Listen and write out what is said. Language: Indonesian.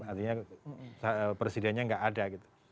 artinya presidennya nggak ada gitu